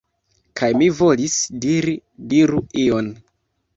Kaj mi volis diri: "Diru ion!"